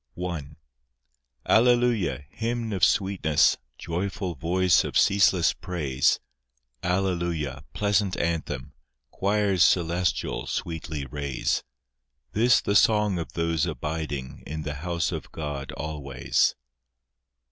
I Alleluia, hymn of sweetness, Joyful voice of ceaseless praise; Alleluia, pleasant anthem, Choirs celestial sweetly raise: This the song of those abiding In the house of God always.